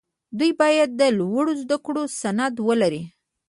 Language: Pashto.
دوی باید د لوړو زدکړو سند ولري.